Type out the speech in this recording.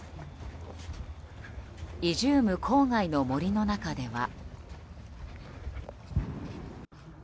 イジューム郊外の森の中では。